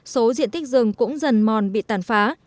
số diện tích rừng cũng dần mòn bị tàn phá